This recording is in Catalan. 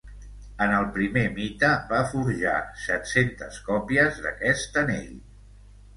En el primer mite va forjar set-centes còpies d'aquest anell.